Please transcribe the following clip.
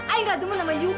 ay nggak demen sama yu